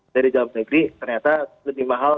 dari dalam negeri ternyata lebih mahal